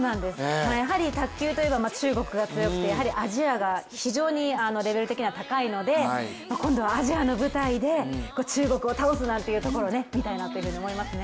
やはり卓球といえば中国が強くて、やはりアジアが非常にレベル的には高いので今度はアジアの舞台で中国を倒すなんてところを見たいなというふうに思いますね。